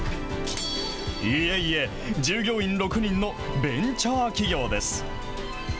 いえいえ、従業員６人のベンチャー企業です。